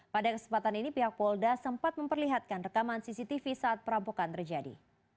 pada kesempatan ini pihak polda sempat memperlihatkan rekaman cctv saat perampokan terjadi